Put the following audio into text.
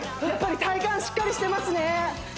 やっぱり体幹しっかりしてますね